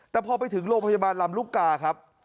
แต่พอไปถึงโรงพยาบาลลำลูกกาครับ